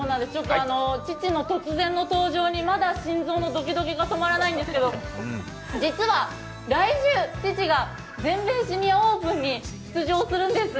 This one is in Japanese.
父の突然の登場にまだ心臓のどきどきが止まらないんですけど実は、来週、父が全米シニアオープンに出場するんです。